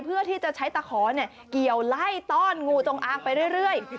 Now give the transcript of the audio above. เพื่อที่จะใช้ตะขอเกี่ยวไล่ต้อนงูจงอางไปเรื่อย